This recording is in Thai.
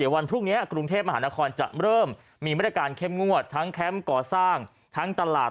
วันพรุ่งนี้กรุงเทพมหานครจะเริ่มมีมาตรการเข้มงวดทั้งแคมป์ก่อสร้างทั้งตลาด